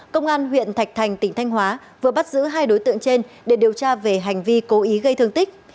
công an huyện thạch thành tỉnh thanh hóa vừa bắt giữ hai đối tượng trên để điều tra về hành vi cố ý gây thương tích